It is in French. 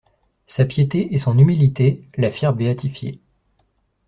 Sa piété et son humilité la firent béatifier.